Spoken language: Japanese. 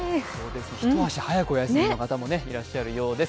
一足早く、お休みの方もいらっしゃるそうです。